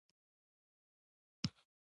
له هره موټره اوبه شېندل کېدې.